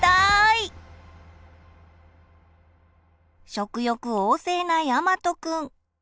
食欲旺盛なやまとくん。